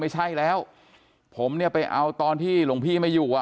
ไม่ใช่แล้วผมเนี่ยไปเอาตอนที่หลวงพี่ไม่อยู่อ่ะ